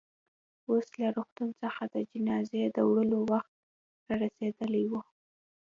اوس له روغتون څخه د جنازې د وړلو وخت رارسېدلی و.